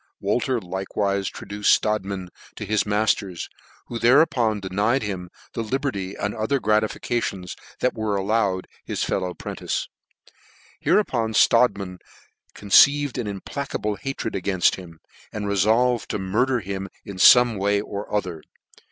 Wolter likewife traduced Strodtman to his matters, who thereupon denied him the liberty and other gratifications that were allowed to his fellow 'prentice. Hereupon Strodtman conceived an implacable hatred againft him, and refolvcd to murder him in fome way or other.